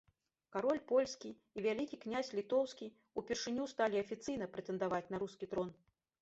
Кароль польскі і вялікі князь літоўскі ўпершыню сталі афіцыйна прэтэндаваць на рускі трон.